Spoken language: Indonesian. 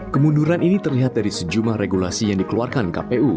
kemunduran ini terlihat dari sejumlah regulasi yang dikeluarkan kpu